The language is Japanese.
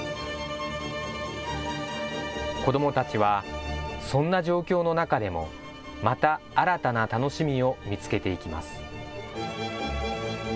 子どもたちは、そんな状況の中でもまた新たな楽しみを見つけていきます。